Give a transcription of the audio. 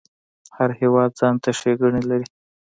هر هیواد ځانته ښیګڼی لري